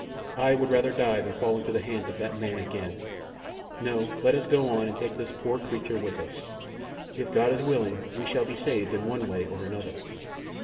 I would rather die than fall into the hands of that man again. No, let us go on and take this poor little creature with us. If God is willing we shall be saved in one way or another."